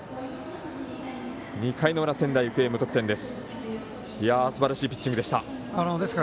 ２回の裏、仙台育英、無得点です。